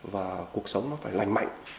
và cuộc sống nó phải lành mạnh